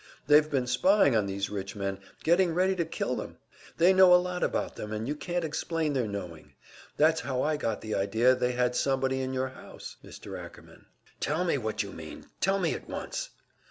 They've been spying on these rich men, getting ready to kill them. They know a lot about them that you can't explain their knowing. That's how I got the idea they had somebody in your house, Mr. Ackerman." "Tell me what you mean. Tell me at once."